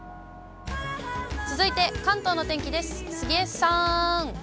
続いて、関東の天気です。